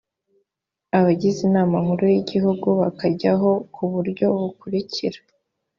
abagize inama nkuru y’igihugu bakajyaho ku buryo bukurikira: